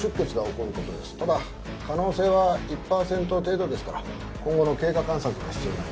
ただ可能性は１パーセント程度ですから今後の経過観察が必要になります。